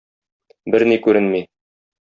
Берни күренми.